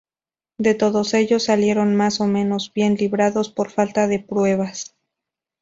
De todos ellos salieron más o menos bien librados por falta de pruebas.